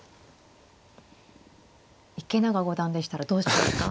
池永五段でしたらどうしますか。